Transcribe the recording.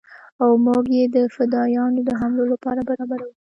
او موږ يې د فدايانو د حملو لپاره برابرو.